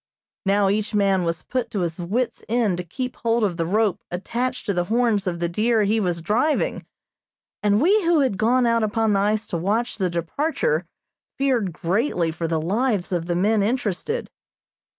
Now each man was put to his wit's end to keep hold of the rope attached to the horns of the deer he was driving, and we who had gone out upon the ice to watch the departure feared greatly for the lives of the men interested.